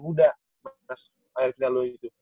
muda akhirnya lu itu